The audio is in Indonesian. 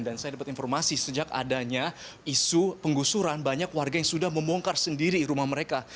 saya dapat informasi sejak adanya isu penggusuran banyak warga yang sudah membongkar sendiri rumah mereka